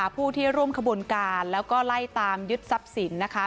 ผู้ที่ร่วมขบวนการแล้วก็ไล่ตามยึดทรัพย์สินนะคะ